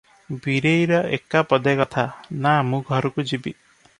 ବୀରେଇର ଏକା ପଦେ କଥା, "ନା, ମୁଁ ଘରକୁ ଯିବି ।"